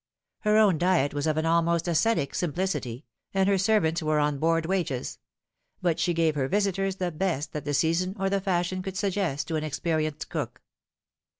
Her own diet was of an almost ascetic simplicity, and her servants were on board wages ; but she gave her visitors the best that the season or the fashion could suggest to an experienced cook.